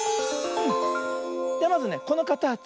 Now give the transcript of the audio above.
ではまずねこのかたち